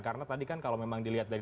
karena tadi kan kalau memang dilihat dari